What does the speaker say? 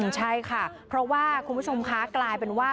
ใช่ค่ะเพราะว่าคุณผู้ชมคะกลายเป็นว่า